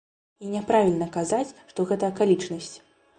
І няправільна казаць, што гэта акалічнасць.